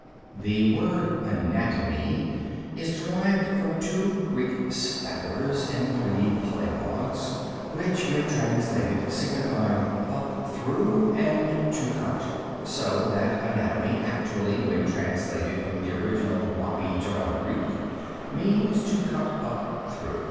The word anatomy is derived from two Greek spatters and three polywogs, which, when translated, signify "up through" and "to cut," so that anatomy actually, when translated from the original wappy jawed Greek, means to cut up through.